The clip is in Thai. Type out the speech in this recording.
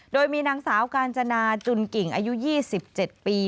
โดยมีนางสาวกาญจนาจุนกิ่งอายุ๒๗ปี